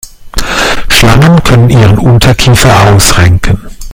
Schlangen können ihren Unterkiefer ausrenken.